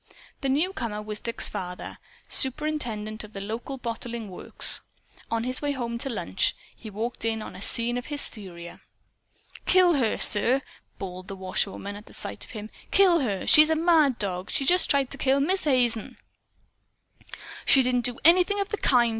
The newcomer was Dick's father, superintendent of the local bottling works. On his way home to lunch, he walked in on a scene of hysteria. "Kill her, sir!" bawled the washerwoman, at sight of him. "Kill her! She's a mad dog. She just tried to kill Miz' Hazen!" "She didn't do anything of the kind!"